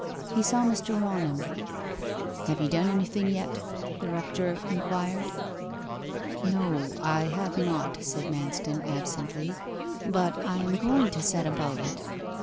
He saw Mr. Raunham. 'Have you done anything yet?' the rector inquired. 'No I have not,' said Manston absently. 'But I am going to set about it.